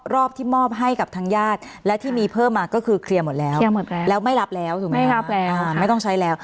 รอบที่มอบให้กับทางญาติและที่มีเพิ่มมาก็คือเคลียร์หมดแล้วเคลียร์หมดแล้ว